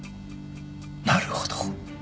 なるほど。